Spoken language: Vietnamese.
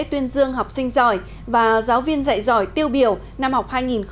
tuyên dương học sinh giỏi và giáo viên dạy giỏi tiêu biểu năm học hai nghìn một mươi bảy hai nghìn một mươi tám